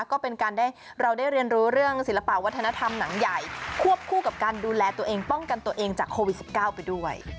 ก็เป็นการได้เราได้เรียนรู้เรื่องศิลปะวัฒนธรรมหนังใหญ่ควบคู่กับการดูแลตัวเองป้องกันตัวเองจากโควิด๑๙ไปด้วย